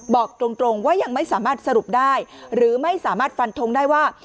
บอกตรงว่ายังไม่สามารถสรุปได้หรือไม่สามารถฟันทงได้ว่า